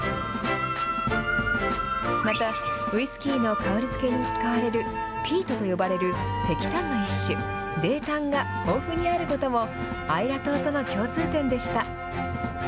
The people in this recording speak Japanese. また、ウイスキーの香りづけに使われるピートと呼ばれる石炭の一種、泥炭が豊富にあることも、アイラ島との共通点でした。